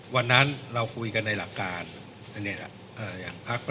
วันนั้นเราคุยกันในหลักการอันนี้แหละ